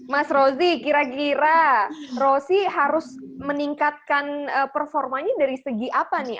mas rozi kira kira rosi harus meningkatkan performanya dari segi apa nih